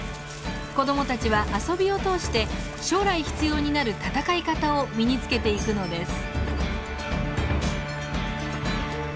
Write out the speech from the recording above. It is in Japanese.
子どもたちは遊びを通して将来必要になる戦い方を身につけていくのです。